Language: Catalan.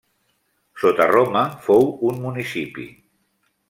Sota Roma fou un municipi.